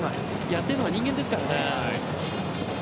やっているのは人間ですからね。